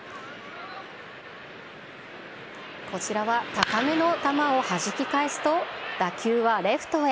こちらは高めの球をはじき返すと、打球はレフトへ。